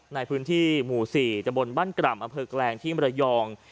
ในพื้นที่หมู่สี่จับบนบ้านกร่ำอเผลอแกรงที่มรยอง